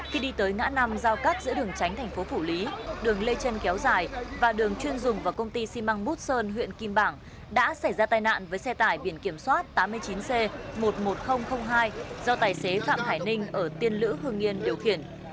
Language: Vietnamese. khi đi tới ngã năm giao cắt giữa đường tránh thành phố phủ lý đường lê trân kéo dài và đường chuyên dùng vào công ty xi măng bút sơn huyện kim bảng đã xảy ra tai nạn với xe tải biển kiểm soát tám mươi chín c một mươi một nghìn hai do tài xế phạm hải ninh ở tiên lữ hưng yên điều khiển